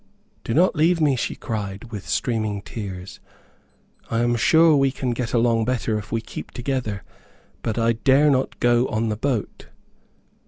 "Do not leave me," she cried, with streaming tears. "I am sure we can get along better if we keep together, but I dare not go on the boat."